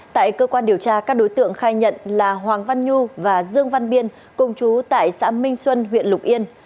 tại cơ quan điều tra các đối tượng khai nhận là hoàng văn nhu và dương văn biên cùng chú tại xã minh xuân huyện lục yên